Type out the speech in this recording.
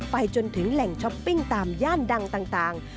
ไปจนถึงแหล่งช้อปปิ้งตามย่านดังต่าง